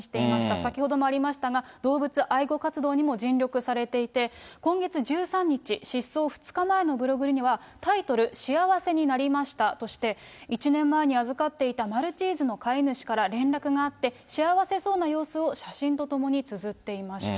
先ほどもありましたが、動物愛護活動にも尽力されていて、今月１３日、失踪２日前のブログには、タイトル、幸せになりましたとして、１年前に預かっていたマルチーズの飼い主から連絡があって、幸せそうな様子を写真とともにつづっていました。